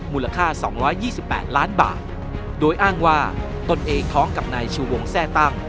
มูลค่าสองร้อยยี่สิบแปดล้านบาทโดยอ้างว่าตนเอกท้องกับนายชูวงแทร่ตั้ง